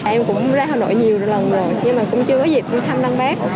em cũng ra hà nội nhiều lần rồi nhưng mà cũng chưa có dịp đi tâm lăng bác